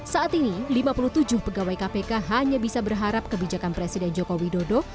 saat ini lima puluh tujuh pegawai kpk hanya bisa berharap kebijakan presiden joko widodo